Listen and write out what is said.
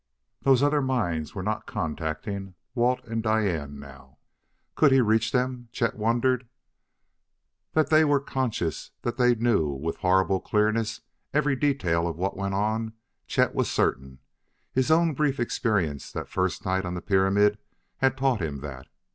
Those other minds were not contacting Walt and Diane now. Could he reach them? Chet wondered. That they were conscious, that they knew with horrible clearness every detail of what went on, Chet was certain: his own brief experience that first night on the pyramid had taught him that.